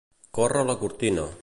Córrer la cortina.